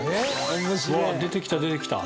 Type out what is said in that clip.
わあ出てきた出てきた。